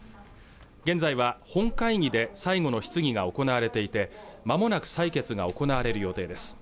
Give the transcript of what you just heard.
現在は本会議で最後の質疑が行われていてまもなく採決が行われる予定です